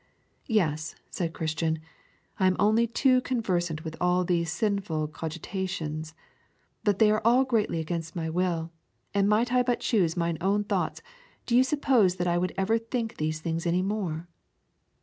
Yes, said Christian, I am only too conversant with all these sinful cogitations, but they are all greatly against my will, and might I but choose mine own thoughts, do you suppose that I would ever think these things any more?